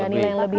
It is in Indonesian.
hal yang lebih